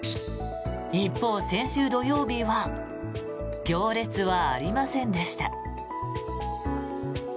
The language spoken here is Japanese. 一方、先週土曜日は行列はありませんでした。